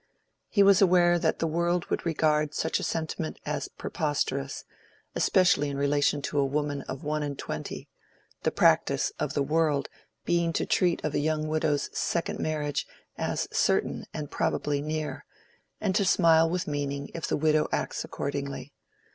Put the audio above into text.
He was aware that the world would regard such a sentiment as preposterous, especially in relation to a woman of one and twenty; the practice of "the world" being to treat of a young widow's second marriage as certain and probably near, and to smile with meaning if the widow acts accordingly.